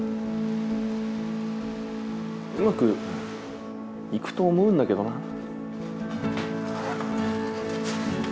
うまくいくと思うんだけどな。